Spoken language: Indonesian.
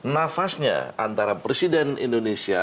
nafasnya antara presiden indonesia